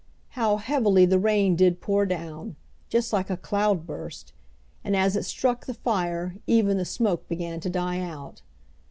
How heavily the rain did pour down, just like a cloudburst! And as it struck the fire even the smoke began to die out.